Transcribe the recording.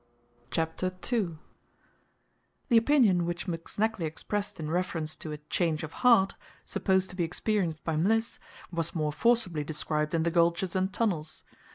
CHAPTER II The opinion which McSnagley expressed in reference to a "change of heart" supposed to be experienced by Mliss was more forcibly described in the gulches and tunnels.